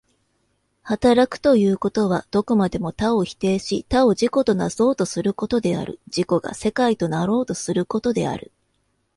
働くということは、どこまでも他を否定し他を自己となそうとすることである、自己が世界となろうとすることである。